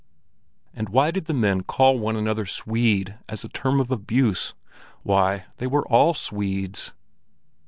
And why did the men call one another "Swede" as a term of abuse? Why, they were all Swedes!